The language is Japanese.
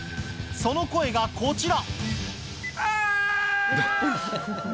その声がこちら。